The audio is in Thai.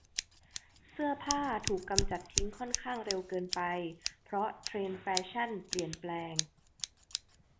เสื้อผ่าถูกกำจัดทิ้งค่อนข้างเร็วเกินไปเพราะเทรนด์แฟชั่นเปลี่ยนแปลง